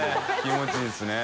気持ちいいですね。